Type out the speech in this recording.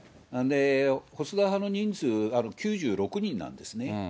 細田派の人数９６人なんですね。